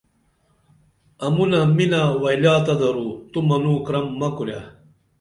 امُنہ مِنہ وئلاتہ درو تو منوں کرم مہ کُرے